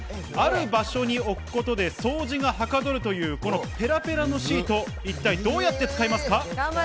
ある場所に置くことで掃除がはかどるという、このペラペラのシート、一体どうやって使いますか？